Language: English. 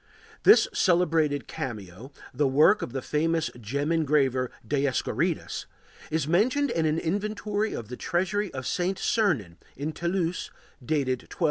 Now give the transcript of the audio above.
This celebrated cameo, the work of the famous gem engraver Dioskorides, is mentioned in an inventory of the treasury of St. Sernin, in Toulouse, dated 1246.